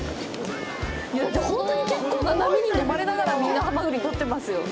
だってほんとに結構な波に飲まれながらみんなハマグリ取ってますよ。